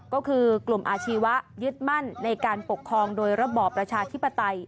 ก็คือกลุ่มอาชีวะยึดมั่นในการปกครองโดยระบอบประชาธิปไตย